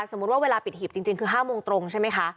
สมมุติว่าเวลาปิดหีบจริงคือ๕โมงตรงใช่ไหมคะ